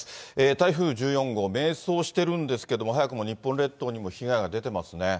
台風１４号、迷走してるんですけれども、早くも日本列島にも被害が出てますね。